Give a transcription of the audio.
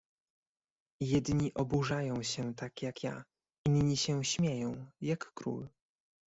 "Jedni oburzają się tak jak ja, inni się śmieją, jak król."